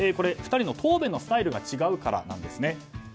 ２人の答弁のスタイルが違うからなんですね。